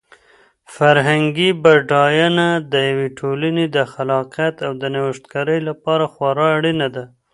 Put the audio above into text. فرهنګي بډاینه د یوې ټولنې د خلاقیت او د نوښتګرۍ لپاره خورا اړینه ده.